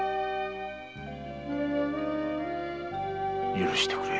許してくれ。